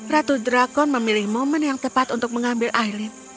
ratu drakon memilih momen yang tepat untuk mengambil ais